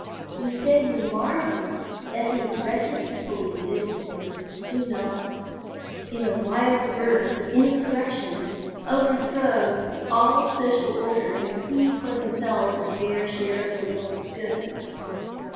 You say you marvel that these wretched people you visited do not, in a wild burst of insurrection, overthrow all social order, and seize for themselves a fair share of the world's goods.